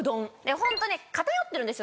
ホントに偏ってるんですよ